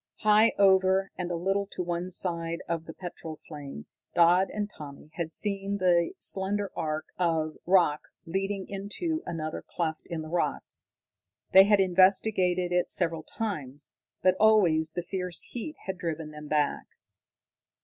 High over and a little to one side of the petrol flame Dodd and Tommy had seen the slender arch of rock leading into another cleft in the rocks. They had investigated it several times, but always the fierce heat had driven them back.